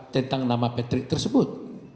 tentang nama patrick tersebut